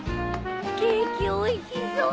ケーキおいしそう。